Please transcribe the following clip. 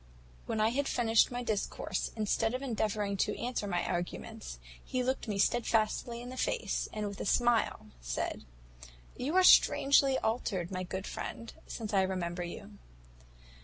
"When I had finished my discourse, instead of endeavouring to answer my arguments, he looked me stedfastly in the face, and with a smile said, `You are strangely altered, my good friend, since I remember you.